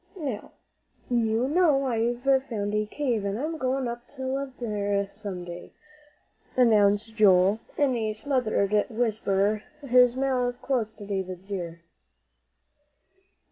"Now, you know I've found a cave, and I'm goin' up there to live some day," announced Joel in a smothered whisper, his mouth close to David's ear.